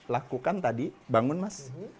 lakukan tadi bangun mas